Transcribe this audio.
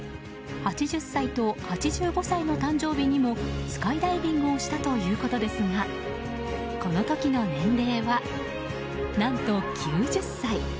８０歳と８５歳の誕生日にもスカイダイビングをしたということですがこの時の年齢は、何と９０歳。